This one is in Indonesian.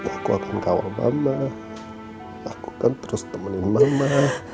aku akan kawal mama aku kan terus temenin mama